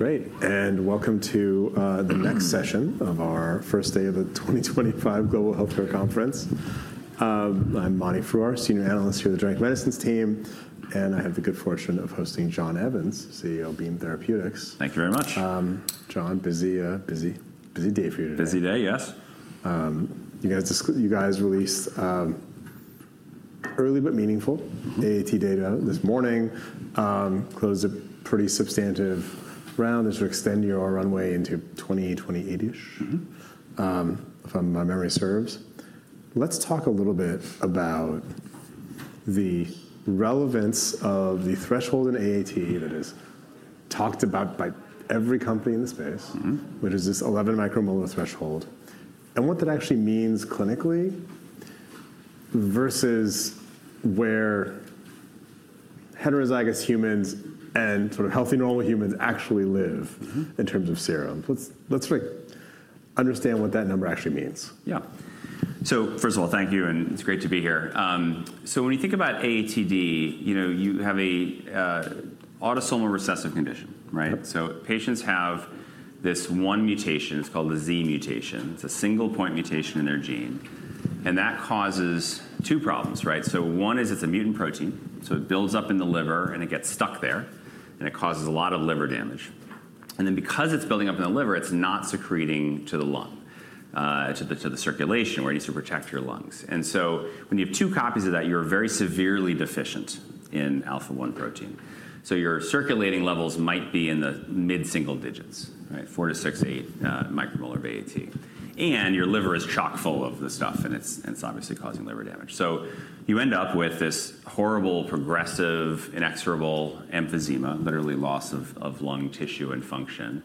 Great. Welcome to the next session of our first day of the 2025 Global Healthcare Conference. I'm Mani Foroohar, Senior Analyst here at the drug and medicines team. I have the good fortune of hosting John Evans, CEO of Beam Therapeutics. Thank you very much. John, busy day for you today. Busy day, yes. You guys released early but meaningful AAT data this morning, closed a pretty substantive round, and sort of extended your runway into 2028-ish, if my memory serves. Let's talk a little bit about the relevance of the threshold in AAT that is talked about by every company in the space, which is this 11-micromolar threshold. What that actually means clinically versus where heterozygous humans and sort of healthy, normal humans actually live in terms of serum. Let's understand what that number actually means. Yeah. First of all, thank you. It's great to be here. When you think about AATD, you have an autosomal recessive condition, right? Patients have this one mutation. It's called the Z mutation. It's a single-point mutation in their gene. That causes two problems, right? One is it's a mutant protein. It builds up in the liver, and it gets stuck there. It causes a lot of liver damage. Because it's building up in the liver, it's not secreting to the lung, to the circulation, where it needs to protect your lungs. When you have two copies of that, you're very severely deficient in alpha-1 protein. Your circulating levels might be in the mid-single digits, right? Four to six-eight micromolar of AAT. Your liver is chock-full of the stuff. It's obviously causing liver damage. You end up with this horrible, progressive, inexorable emphysema, literally loss of lung tissue and function,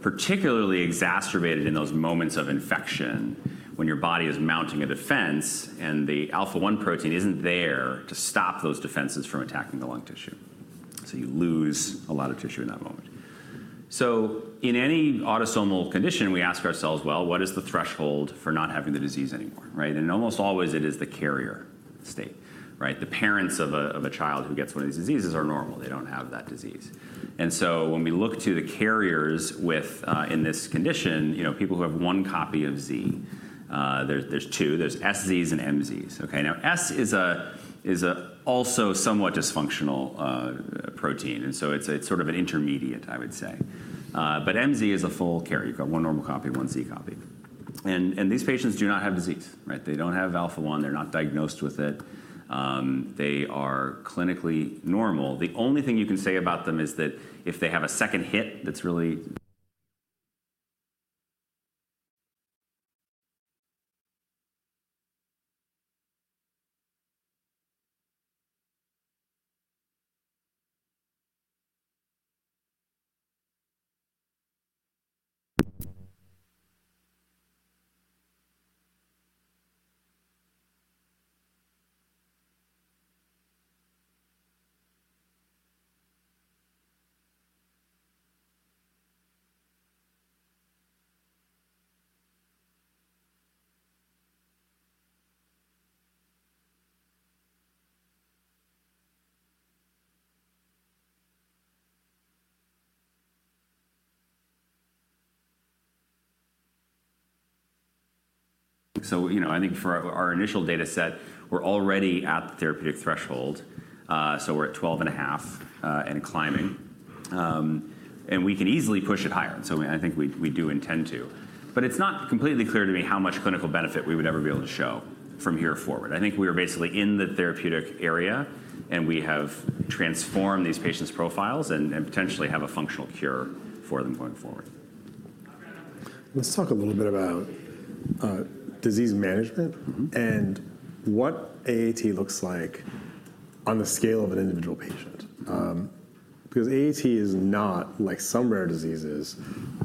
particularly exacerbated in those moments of infection when your body is mounting a defense. The alpha-1 protein isn't there to stop those defenses from attacking the lung tissue. You lose a lot of tissue in that moment. In any autosomal condition, we ask ourselves, what is the threshold for not having the disease anymore, right? Almost always, it is the carrier state, right? The parents of a child who gets one of these diseases are normal. They don't have that disease. When we look to the carriers in this condition, people who have one copy of Z, there's two. There's SZs and MZs. S is also somewhat dysfunctional protein. It's sort of an intermediate, I would say. MZ is a full carrier. You've got one normal copy, one Z copy. These patients do not have disease, right? They don't have alpha-1. They're not diagnosed with it. They are clinically normal. The only thing you can say about them is that if they have a second hit that's really... I think for our initial data set, we're already at the therapeutic threshold. We're at 12.5 and climbing. We can easily push it higher. I think we do intend to. It's not completely clear to me how much clinical benefit we would ever be able to show from here forward. I think we are basically in the therapeutic area. We have transformed these patients' profiles and potentially have a functional cure for them going forward. Let's talk a little bit about disease management and what AAT looks like on the scale of an individual patient. Because AAT is not like some rare diseases,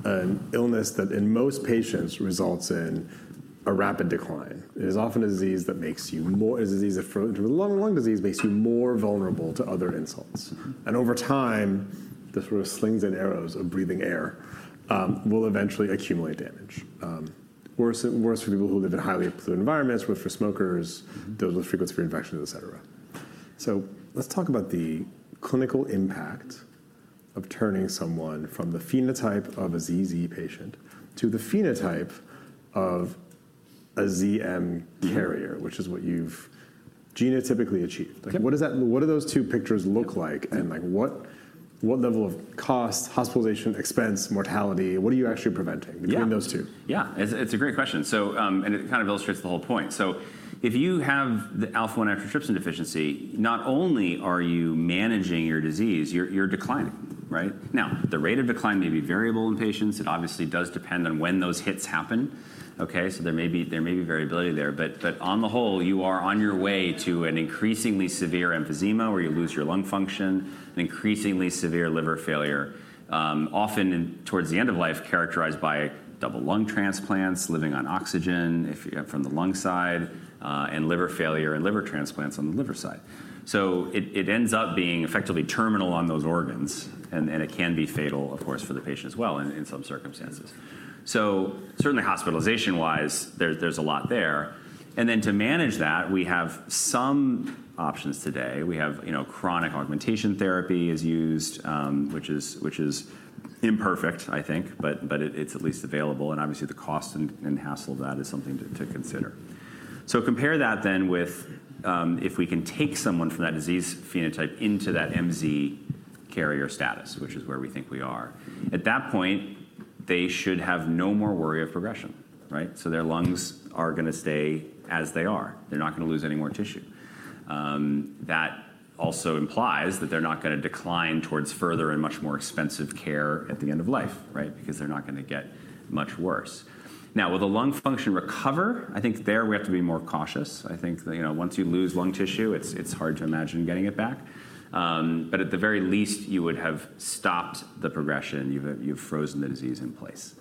an illness that in most patients results in a rapid decline. It is often a disease that makes you more—it's a disease that, in terms of lung disease, makes you more vulnerable to other insults. Over time, the sort of slings and arrows of breathing air will eventually accumulate damage. Worse for people who live in highly polluted environments, worse for smokers, those with frequent severe infections, et cetera. Let's talk about the clinical impact of turning someone from the phenotype of a ZZ patient to the phenotype of a ZM carrier, which is what you've genotypically achieved. What do those two pictures look like? What level of cost, hospitalization, expense, mortality, what are you actually preventing between those two? Yeah. It's a great question. It kind of illustrates the whole point. If you have the alpha-1 antitrypsin deficiency, not only are you managing your disease, you're declining, right? Now, the rate of decline may be variable in patients. It obviously does depend on when those hits happen. There may be variability there. On the whole, you are on your way to an increasingly severe emphysema where you lose your lung function, an increasingly severe liver failure, often towards the end of life characterized by double lung transplants, living on oxygen from the lung side, and liver failure and liver transplants on the liver side. It ends up being effectively terminal on those organs. It can be fatal, of course, for the patient as well in some circumstances. Certainly, hospitalization-wise, there's a lot there. To manage that, we have some options today. We have chronic augmentation therapy that is used, which is imperfect, I think. It is at least available. Obviously, the cost and hassle of that is something to consider. Compare that then with if we can take someone from that disease phenotype into that MZ carrier status, which is where we think we are. At that point, they should have no more worry of progression, right? Their lungs are going to stay as they are. They are not going to lose any more tissue. That also implies that they are not going to decline towards further and much more expensive care at the end of life, right? Because they are not going to get much worse. Now, will the lung function recover? I think there we have to be more cautious. I think once you lose lung tissue, it's hard to imagine getting it back. At the very least, you would have stopped the progression. You've frozen the disease in place.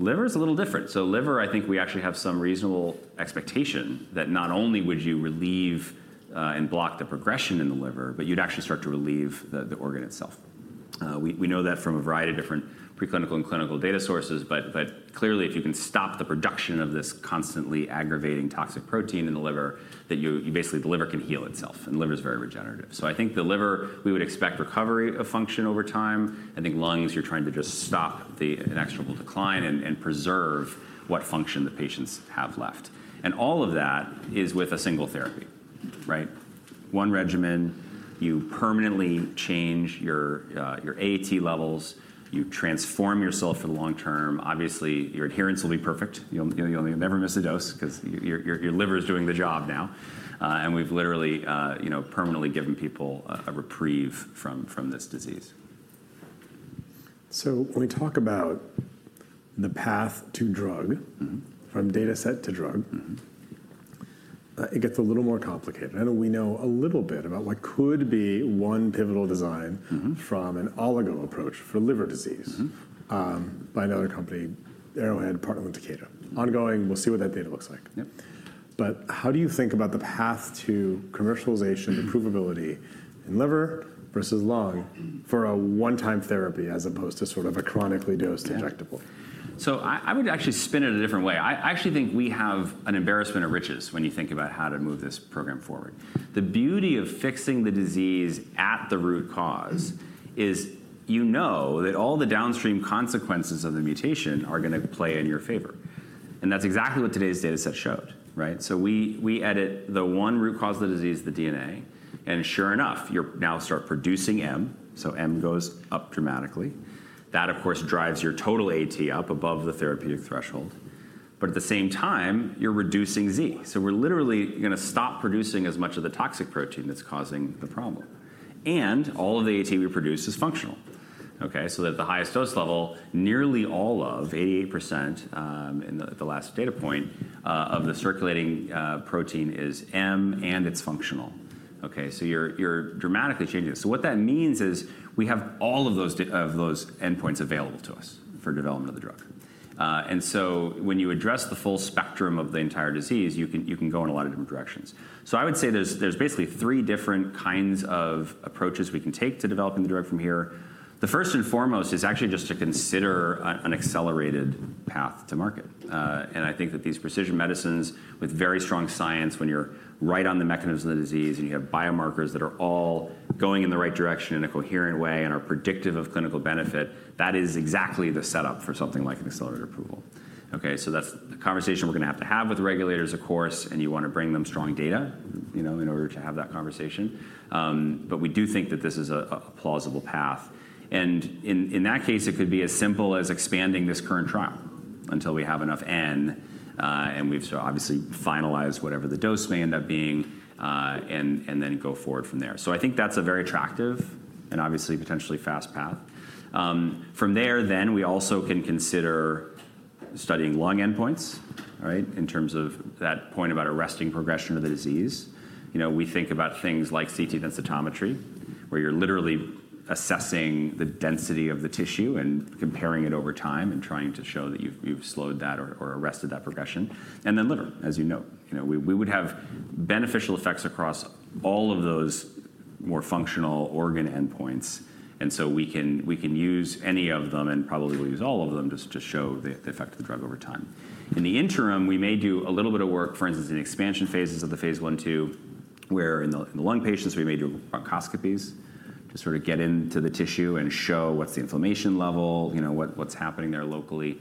Liver is a little different. Liver, I think we actually have some reasonable expectation that not only would you relieve and block the progression in the liver, but you'd actually start to relieve the organ itself. We know that from a variety of different preclinical and clinical data sources. Clearly, if you can stop the production of this constantly aggravating toxic protein in the liver, basically the liver can heal itself. The liver is very regenerative. I think the liver, we would expect recovery of function over time. I think lungs, you're trying to just stop the inexorable decline and preserve what function the patients have left. All of that is with a single therapy, right? One regimen. You permanently change your AAT levels. You transform yourself for the long term. Obviously, your adherence will be perfect. You'll never miss a dose because your liver is doing the job now. We've literally permanently given people a reprieve from this disease. When we talk about the path to drug, from data set to drug, it gets a little more complicated. I know we know a little bit about what could be one pivotal design from an oligo approach for liver disease by another company, Arrowhead, partnered with Takeda. Ongoing. We'll see what that data looks like. How do you think about the path to commercialization, the provability in liver versus lung for a one-time therapy as opposed to sort of a chronically dosed injectable? I would actually spin it a different way. I actually think we have an embarrassment of riches when you think about how to move this program forward. The beauty of fixing the disease at the root cause is you know that all the downstream consequences of the mutation are going to play in your favor. That is exactly what today's data set showed, right? We edit the one root cause of the disease, the DNA. Sure enough, you now start producing M. M goes up dramatically. That, of course, drives your total AAT up above the therapeutic threshold. At the same time, you are reducing Z. We are literally going to stop producing as much of the toxic protein that is causing the problem. All of the AAT we produce is functional, OK? At the highest dose level, nearly all of 88% in the last data point of the circulating protein is M, and it's functional, OK? You're dramatically changing it. What that means is we have all of those endpoints available to us for development of the drug. When you address the full spectrum of the entire disease, you can go in a lot of different directions. I would say there's basically three different kinds of approaches we can take to developing the drug from here. The first and foremost is actually just to consider an accelerated path to market. I think that these precision medicines with very strong science, when you're right on the mechanism of the disease and you have biomarkers that are all going in the right direction in a coherent way and are predictive of clinical benefit, that is exactly the setup for something like an accelerated approval, OK? That is the conversation we're going to have to have with regulators, of course. You want to bring them strong data in order to have that conversation. We do think that this is a plausible path. In that case, it could be as simple as expanding this current trial until we have enough N. We've obviously finalized whatever the dose may end up being and then go forward from there. I think that's a very attractive and obviously potentially fast path. From there, then we also can consider studying lung endpoints, right, in terms of that point about arresting progression of the disease. We think about things like CT densitometry, where you're literally assessing the density of the tissue and comparing it over time and trying to show that you've slowed that or arrested that progression. Liver, as you know. We would have beneficial effects across all of those more functional organ endpoints. We can use any of them and probably will use all of them to show the effect of the drug over time. In the interim, we may do a little bit of work, for instance, in expansion phases of the Phase I, II, where in the lung patients, we may do bronchoscopies to sort of get into the tissue and show what's the inflammation level, what's happening there locally.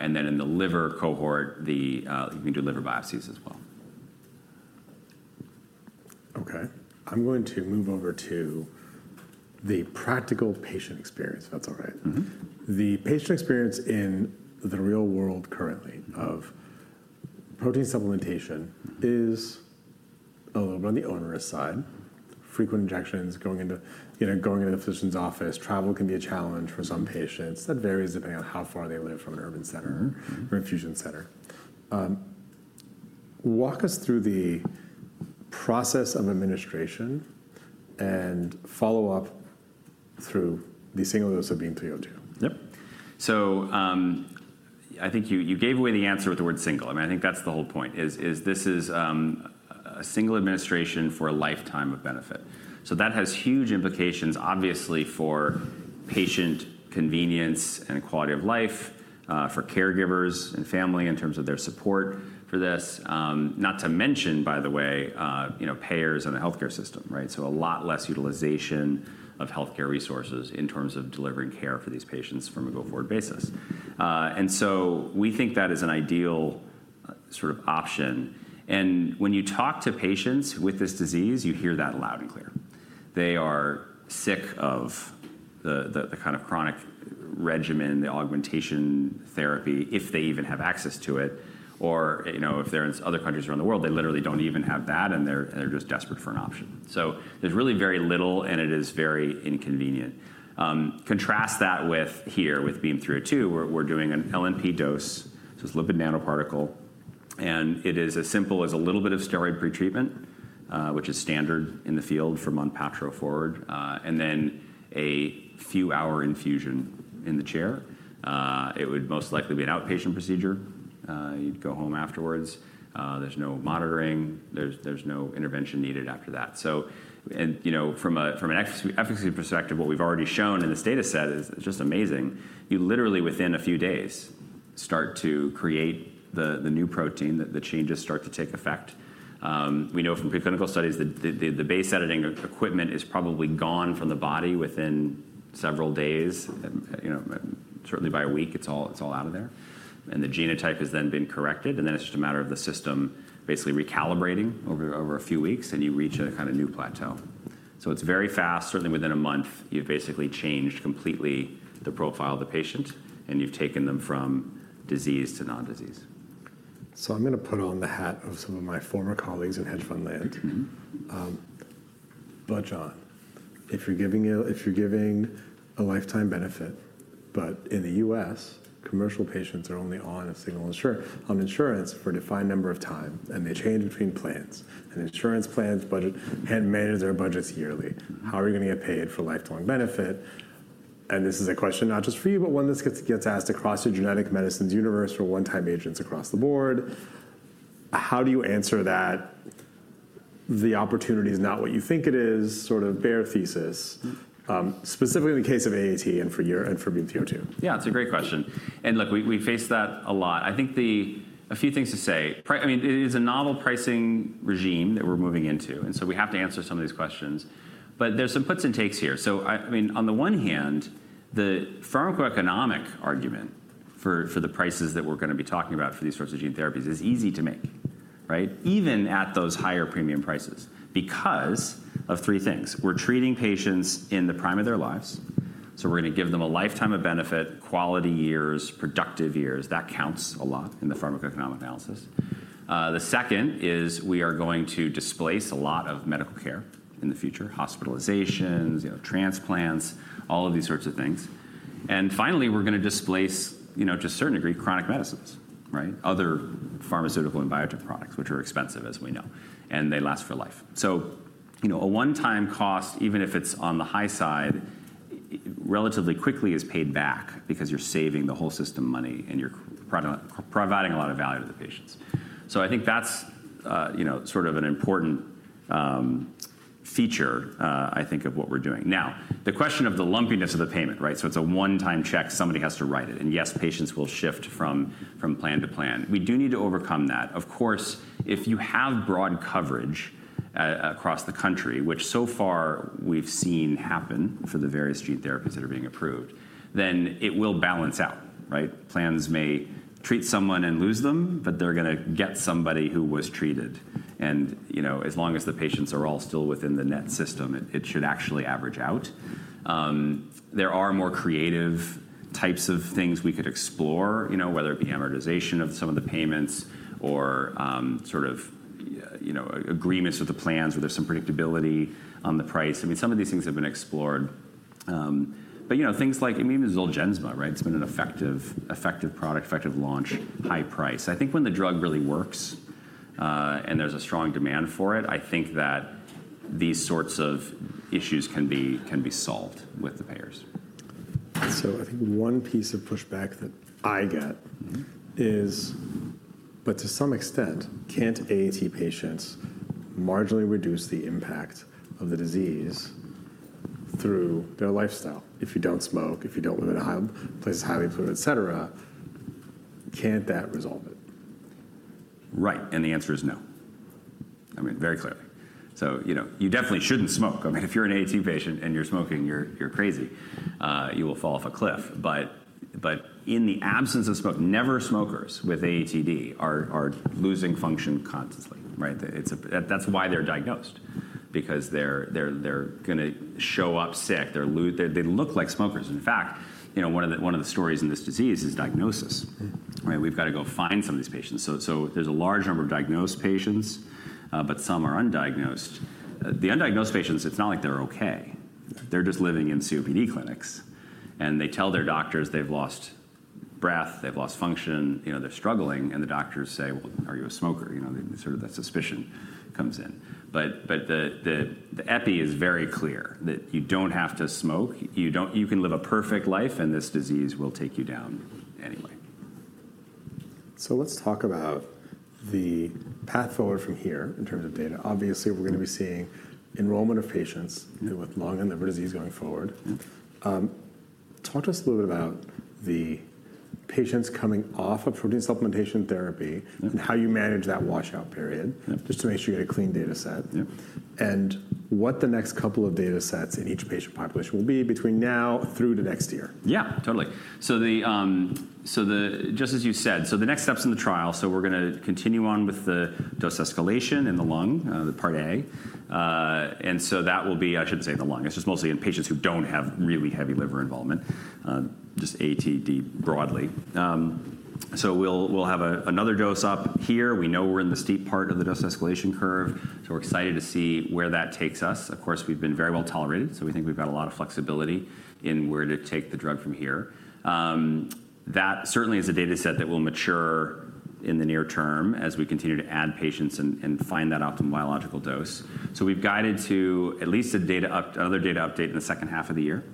In the liver cohort, you can do liver biopsies as well. OK. I'm going to move over to the practical patient experience, if that's all right. The patient experience in the real world currently of protein supplementation is a little bit on the onerous side. Frequent injections, going into the physician's office, travel can be a challenge for some patients. That varies depending on how far they live from an urban center or infusion center. Walk us through the process of administration and follow-up through the single dose of BEAM-302. Yep. I think you gave away the answer with the word single. I mean, I think that's the whole point, is this is a single administration for a lifetime of benefit. That has huge implications, obviously, for patient convenience and quality of life, for caregivers and family in terms of their support for this, not to mention, by the way, payers and the health care system, right? A lot less utilization of health care resources in terms of delivering care for these patients from a go forward basis. We think that is an ideal sort of option. When you talk to patients with this disease, you hear that loud and clear. They are sick of the kind of chronic regimen, the augmentation therapy, if they even have access to it. If they're in other countries around the world, they literally don't even have that. They're just desperate for an option. There's really very little. It is very inconvenient. Contrast that with here, with BEAM-302. We're doing an LNP dose. It's lipid nanoparticle. It is as simple as a little bit of steroid pretreatment, which is standard in the field from Onpattro forward, and then a few-hour infusion in the chair. It would most likely be an outpatient procedure. You'd go home afterwards. There's no monitoring. There's no intervention needed after that. From an efficacy perspective, what we've already shown in this data set is just amazing. You literally, within a few days, start to create the new protein. The changes start to take effect. We know from preclinical studies that the base editing equipment is probably gone from the body within several days, certainly by a week. It is all out of there. The genotype has then been corrected. It is just a matter of the system basically recalibrating over a few weeks. You reach a kind of new plateau. It is very fast. Certainly, within a month, you have basically changed completely the profile of the patient. You have taken them from disease to non-disease. I'm going to put on the hat of some of my former colleagues in hedge fund land. John, if you're giving a lifetime benefit, but in the U.S., commercial patients are only on insurance for a defined number of time, and they change between plans, and insurance plans manage their budgets yearly, how are you going to get paid for lifetime benefit? This is a question not just for you, but one that gets asked across the genetic medicines universe for one-time agents across the board. How do you answer that? The opportunity is not what you think it is, sort of bare thesis, specifically in the case of AAT and for BEAM-302. Yeah, it's a great question. Look, we face that a lot. I think a few things to say. I mean, it is a novel pricing regime that we're moving into. We have to answer some of these questions. There are some puts and takes here. I mean, on the one hand, the pharmacoeconomic argument for the prices that we're going to be talking about for these sorts of gene therapies is easy to make, right, even at those higher premium prices because of three things. We're treating patients in the prime of their lives. We're going to give them a lifetime of benefit, quality years, productive years. That counts a lot in the pharmacoeconomic analysis. The second is we are going to displace a lot of medical care in the future, hospitalizations, transplants, all of these sorts of things. We're going to displace, to a certain degree, chronic medicines, right, other pharmaceutical and biotech products, which are expensive, as we know. They last for life. A one-time cost, even if it's on the high side, relatively quickly is paid back because you're saving the whole system money and you're providing a lot of value to the patients. I think that's sort of an important feature, I think, of what we're doing. The question of the lumpiness of the payment, right? It's a one-time check. Somebody has to write it. Yes, patients will shift from plan-to-plan. We do need to overcome that. Of course, if you have broad coverage across the country, which so far we've seen happen for the various gene therapies that are being approved, it will balance out, right? Plans may treat someone and lose them. They're going to get somebody who was treated. As long as the patients are all still within the net system, it should actually average out. There are more creative types of things we could explore, whether it be amortization of some of the payments or sort of agreements with the plans where there's some predictability on the price. I mean, some of these things have been explored. Things like Zolgensma, right? It's been an effective product, effective launch, high price. I think when the drug really works and there's a strong demand for it, I think that these sorts of issues can be solved with the payers. I think one piece of pushback that I get is, but to some extent, can't AAT patients marginally reduce the impact of the disease through their lifestyle? If you don't smoke, if you don't live in a high place, highly polluted, et cetera, can't that resolve it? Right. The answer is no, I mean, very clearly. You definitely should not smoke. I mean, if you are an AAT patient and you are smoking, you are crazy. You will fall off a cliff. In the absence of smoke, never smokers with AATD are losing function constantly, right? That is why they are diagnosed, because they are going to show up sick. They look like smokers. In fact, one of the stories in this disease is diagnosis. We have got to go find some of these patients. There is a large number of diagnosed patients, but some are undiagnosed. The undiagnosed patients, it is not like they are OK. They are just living in COPD clinics. They tell their doctors they have lost breath, they have lost function, they are struggling. The doctors say, are you a smoker? Sort of that suspicion comes in. The epi is very clear that you do not have to smoke. You can live a perfect life. This disease will take you down anyway. Let's talk about the path forward from here in terms of data. Obviously, we're going to be seeing enrollment of patients with lung and liver disease going forward. Talk to us a little bit about the patients coming off of protein supplementation therapy and how you manage that washout period, just to make sure you get a clean data set. What the next couple of data sets in each patient population will be between now through to next year. Yeah, totally. Just as you said, the next steps in the trial, we're going to continue on with the dose escalation in the lung, the part A. That will be, I shouldn't say in the lung. It's just mostly in patients who don't have really heavy liver involvement, just AATD broadly. We'll have another dose up here. We know we're in the steep part of the dose escalation curve. We're excited to see where that takes us. Of course, we've been very well tolerated. We think we've got a lot of flexibility in where to take the drug from here. That certainly is a data set that will mature in the near term as we continue to add patients and find that optimal biological dose. We have guided to at least another data update in the second half of the year,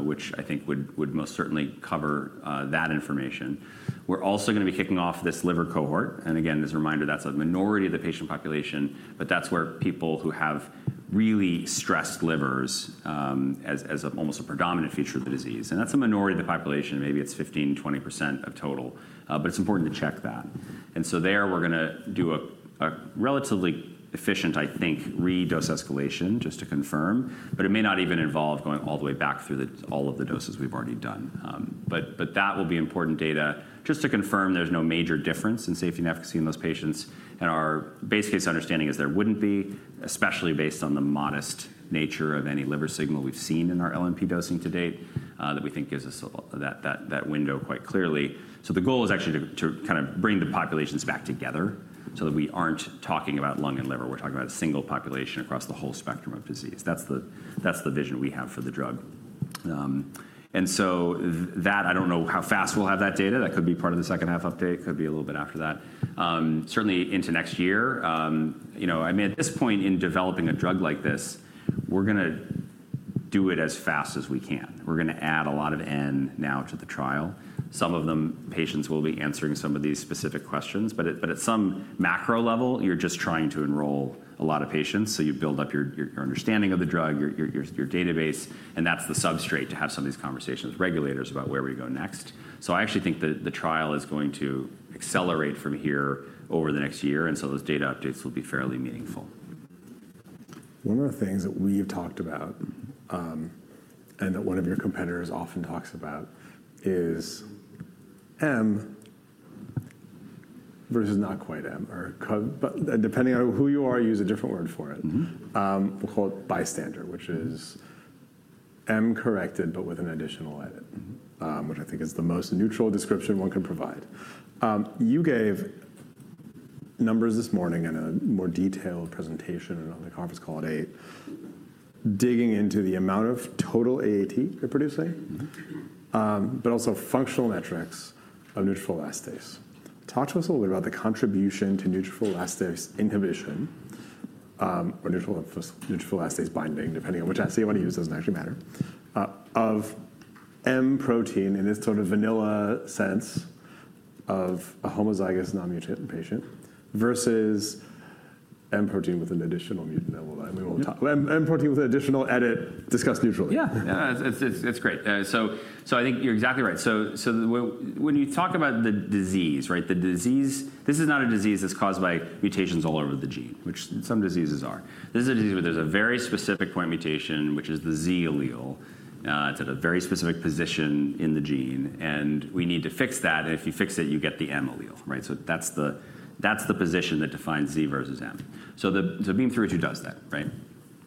which I think would most certainly cover that information. We are also going to be kicking off this liver cohort. Again, as a reminder, that is a minority of the patient population. That is where people who have really stressed livers as almost a predominant feature of the disease. That is a minority of the population. Maybe it is 15%-20% of total. It is important to check that. There, we are going to do a relatively efficient, I think, redose escalation just to confirm. It may not even involve going all the way back through all of the doses we have already done. That will be important data just to confirm there is no major difference in safety and efficacy in those patients. Our base case understanding is there would not be, especially based on the modest nature of any liver signal we have seen in our LNP dosing to date, that we think gives us that window quite clearly. The goal is actually to kind of bring the populations back together so that we are not talking about lung and liver. We are talking about a single population across the whole spectrum of disease. That is the vision we have for the drug. I do not know how fast we will have that data. That could be part of the second half update. It could be a little bit after that, certainly into next year. I mean, at this point in developing a drug like this, we are going to do it as fast as we can. We are going to add a lot of N now to the trial. Some of them, patients will be answering some of these specific questions. At some macro level, you're just trying to enroll a lot of patients. You build up your understanding of the drug, your database. That's the substrate to have some of these conversations with regulators about where we go next. I actually think the trial is going to accelerate from here over the next year. Those data updates will be fairly meaningful. One of the things that we've talked about and that one of your competitors often talks about is M versus not quite M, or depending on who you are, use a different word for it. We'll call it bystander, which is M corrected but with an additional edit, which I think is the most neutral description one can provide. You gave numbers this morning in a more detailed presentation on the conference call at 8:00 A.M., digging into the amount of total AAT you're producing, but also functional metrics of neutrophil elastase. Talk to us a little bit about the contribution to neutrophil elastase inhibition or neutrophil elastase binding, depending on which assay you want to use. It doesn't actually matter, of M protein in this sort of vanilla sense of a homozygous non-mutant patient versus M protein with an additional mutant. We will not talk M protein with an additional edit, discuss neutrally. Yeah, yeah, it's great. I think you're exactly right. When you talk about the disease, right, this is not a disease that's caused by mutations all over the gene, which some diseases are. This is a disease where there's a very specific point mutation, which is the Z allele. It's at a very specific position in the gene. We need to fix that. If you fix it, you get the M allele, right? That's the position that defines Z versus M. BEAM-302 does that, right?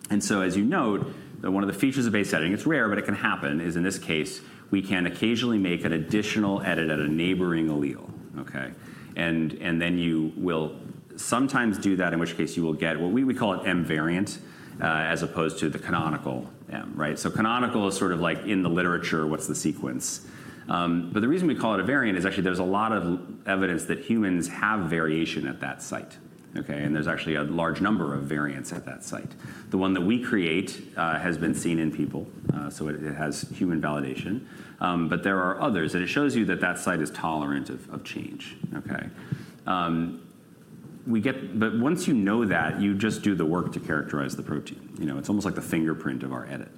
As you note, one of the features of base editing, it's rare, but it can happen, is in this case, we can occasionally make an additional edit at a neighboring allele, OK? You will sometimes do that, in which case you will get what we call an M variant as opposed to the canonical M, right? Canonical is sort of like in the literature, what's the sequence? The reason we call it a variant is actually there's a lot of evidence that humans have variation at that site, OK? There's actually a large number of variants at that site. The one that we create has been seen in people, so it has human validation. There are others. It shows you that that site is tolerant of change, OK? Once you know that, you just do the work to characterize the protein. It's almost like the fingerprint of our edit.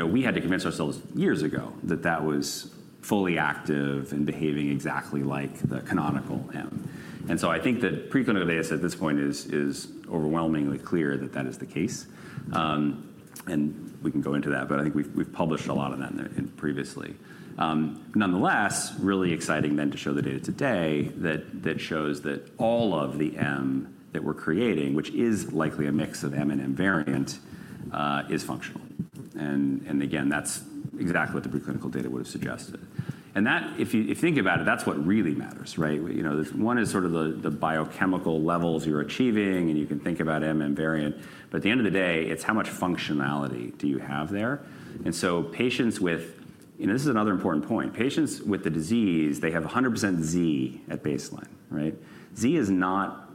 We had to convince ourselves years ago that that was fully active and behaving exactly like the canonical M. I think that preclinical data at this point is overwhelmingly clear that that is the case. We can go into that. I think we've published a lot of that previously. Nonetheless, really exciting then to show the data today that shows that all of the M that we're creating, which is likely a mix of M and M variant, is functional. Again, that's exactly what the preclinical data would have suggested. If you think about it, that's what really matters, right? One is sort of the biochemical levels you're achieving. You can think about M and variant. At the end of the day, it's how much functionality do you have there? Patients with, and this is another important point, patients with the disease, they have 100% Z at baseline, right? Z is not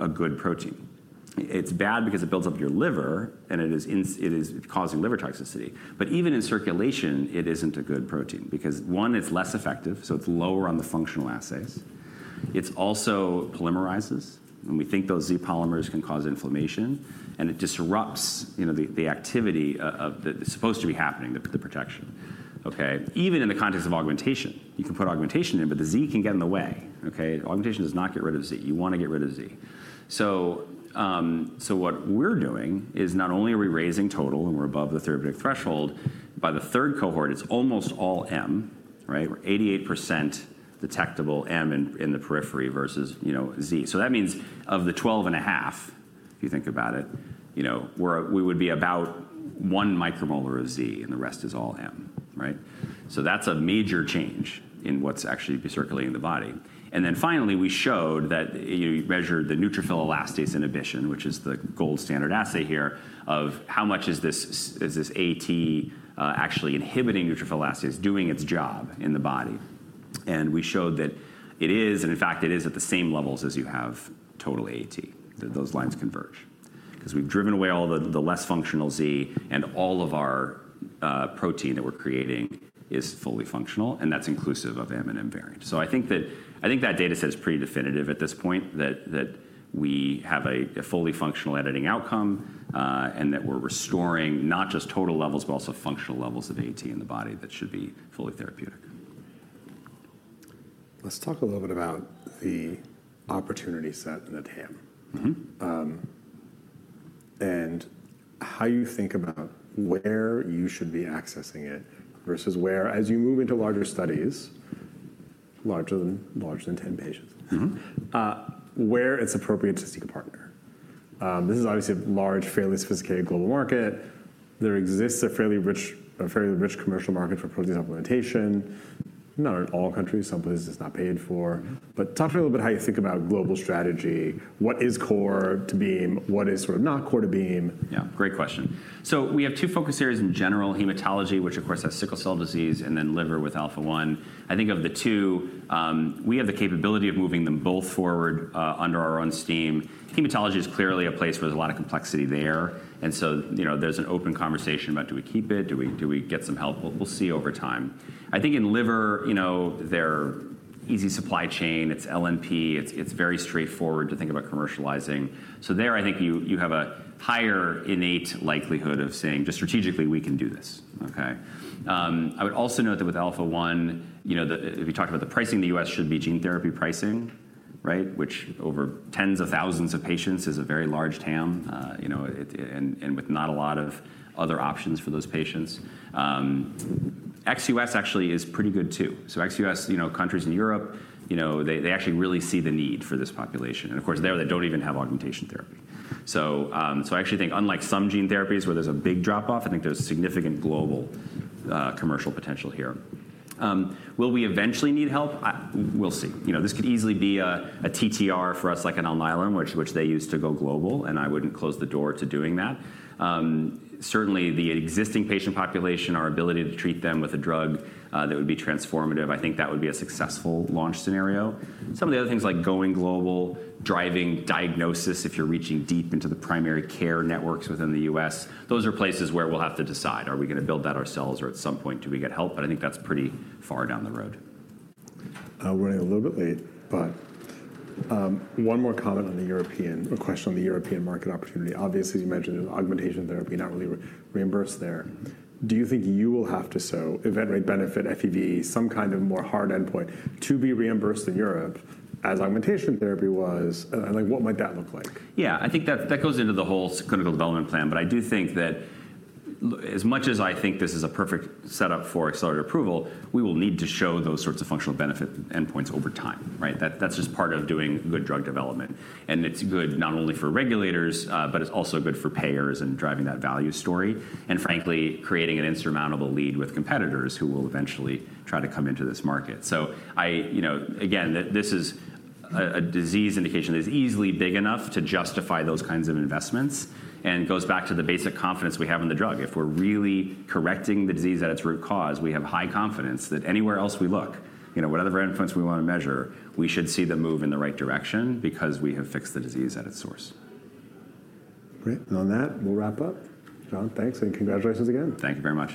a good protein. It's bad because it builds up your liver. It is causing liver toxicity. Even in circulation, it isn't a good protein because, one, it's less effective. It's lower on the functional assays. It also polymerizes. We think those Z polymers can cause inflammation. It disrupts the activity that is supposed to be happening, the protection, OK? Even in the context of augmentation, you can put augmentation in. The Z can get in the way, OK? Augmentation does not get rid of Z. You want to get rid of Z. What we're doing is not only are we raising total and we're above the therapeutic threshold, by the third cohort, it's almost all M, right? We're 88% detectable M in the periphery versus Z. That means of the 12.5, if you think about it, we would be about 1 micromolar of Z. The rest is all M, right? That is a major change in what is actually circulating in the body. Finally, we showed that you measured the neutrophil elastase inhibition, which is the gold standard assay here, of how much is this AT actually inhibiting neutrophil elastase, doing its job in the body. We showed that it is. In fact, it is at the same levels as you have total AT. Those lines converge because we have driven away all the less functional Z. All of our protein that we are creating is fully functional. That is inclusive of M and M variant. I think that data set is pretty definitive at this point, that we have a fully functional editing outcome and that we're restoring not just total levels, but also functional levels of AAT in the body that should be fully therapeutic. Let's talk a little bit about the opportunity set and the TAM. And how you think about where you should be accessing it versus where, as you move into larger studies, larger than 10 patients, where it's appropriate to seek a partner. This is obviously a large, fairly sophisticated global market. There exists a fairly rich commercial market for protein supplementation, not in all countries. Some places it's not paid for. But talk to me a little bit how you think about global strategy. What is core to Beam? What is sort of not core to Beam? Yeah, great question. We have two focus areas in general: hematology, which of course has sickle cell disease, and then liver with alpha-1. I think of the two, we have the capability of moving them both forward under our own steam. Hematology is clearly a place where there's a lot of complexity there. There is an open conversation about do we keep it? Do we get some help? We'll see over time. I think in liver, there are easy supply chain. It's LNP. It's very straightforward to think about commercializing. There, I think you have a higher innate likelihood of saying, just strategically, we can do this, OK? I would also note that with alpha-1, we talked about the pricing in the U.S. should be gene therapy pricing, right, which over tens of thousands of patients is a very large TAM and with not a lot of other options for those patients. Ex-U.S. actually is pretty good too. Ex-U.S. countries in Europe, they actually really see the need for this population. Of course, there, they do not even have augmentation therapy. I actually think, unlike some gene therapies where there is a big drop-off, I think there is significant global commercial potential here. Will we eventually need help? We will see. This could easily be a TTR for us, like an Alnylam, which they use to go global. I would not close the door to doing that. Certainly, the existing patient population, our ability to treat them with a drug that would be transformative, I think that would be a successful launch scenario. Some of the other things, like going global, driving diagnosis if you're reaching deep into the primary care networks within the U.S., those are places where we'll have to decide, are we going to build that ourselves? At some point, do we get help? I think that's pretty far down the road. We're running a little bit late. One more comment on the European question on the European market opportunity. Obviously, as you mentioned, there's augmentation therapy not really reimbursed there. Do you think you will have to show event rate benefit, FEV, some kind of more hard endpoint to be reimbursed in Europe as augmentation therapy was? What might that look like? Yeah, I think that goes into the whole clinical development plan. I do think that as much as I think this is a perfect setup for accelerated approval, we will need to show those sorts of functional benefit endpoints over time, right? That's just part of doing good drug development. It's good not only for regulators, but it's also good for payers and driving that value story and, frankly, creating an insurmountable lead with competitors who will eventually try to come into this market. This is a disease indication that is easily big enough to justify those kinds of investments and goes back to the basic confidence we have in the drug. If we're really correcting the disease at its root cause, we have high confidence that anywhere else we look, whatever endpoints we want to measure, we should see the move in the right direction because we have fixed the disease at its source. Great. On that, we'll wrap up. John, thanks. Congratulations again. Thank you very much.